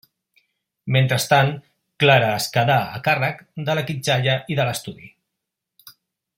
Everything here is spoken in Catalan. Mentrestant, Clara es quedà a càrrec de la quitxalla i de l'estudi.